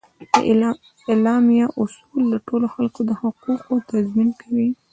د اعلامیه اصول د ټولو خلکو د حقوقو تضمین کوي.